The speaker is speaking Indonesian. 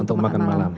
untuk makan malam